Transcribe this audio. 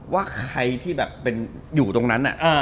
ใครที่อยู่ตรงนั่น